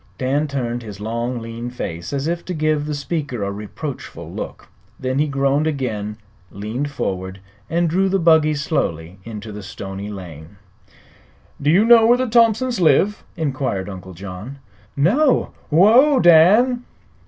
Dan turned his long, lean face as if to give the speaker a reproachful look; then he groaned again, leaned forward, and drew the buggy slowly into the stony lane. "Do you know where the Thompsons live?" inquired Uncle John. "No. Whoa, Dan!"